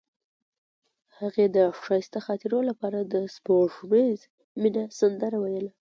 هغې د ښایسته خاطرو لپاره د سپوږمیز مینه سندره ویله.